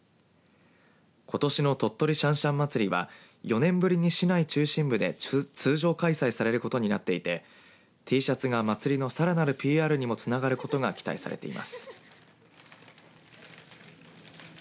ことしの鳥取しゃんしゃん祭は４年ぶりに市内中心部で通常開催されることになっていてＴシャツが祭りのさらなるＰＲにもつながることが期待されています。